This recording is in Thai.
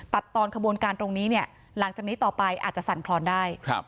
ตอนขบวนการตรงนี้เนี่ยหลังจากนี้ต่อไปอาจจะสั่นคลอนได้